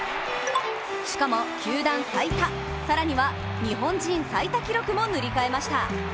しかも球団最多、更には日本人最多記録も塗り替えました。